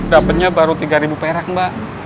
dapatnya baru tiga ribu perak mbak